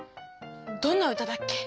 どんな歌だっけ？